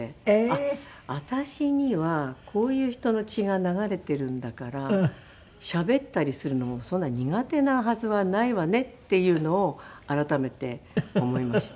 あっ私にはこういう人の血が流れているんだからしゃべったりするのもそんな苦手なはずはないわねっていうのを改めて思いまして。